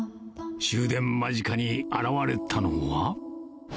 終電間近に現れたのは？